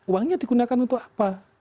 uangnya digunakan untuk apa